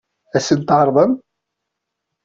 Ad sen-ten-tɛeṛḍem?